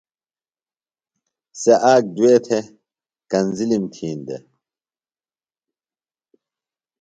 سےۡ آک دُیہ تھےۡ کنزِلِم تِھین دےۡ۔